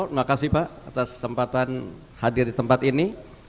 terima kasih pak atas kesempatan hadir di tempat ini